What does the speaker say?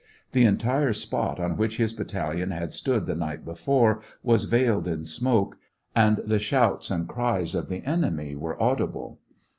The entire spot on which his battalion had stood the night before was veiled in smoke, and the shouts and cries of the enemy were au dible.